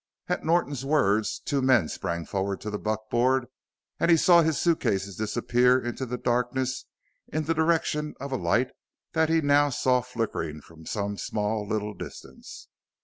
At Norton's words two men sprang forward to the buckboard and he saw his suitcases disappear into the darkness in the direction of a light that he now saw flickering from some little distance.